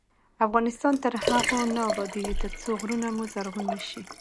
افغانستان تر هغو نه ابادیږي، ترڅو غرونه مو زرغون نشي.